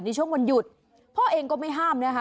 ในช่วงวันหยุดพ่อเองก็ไม่ห้ามนะคะ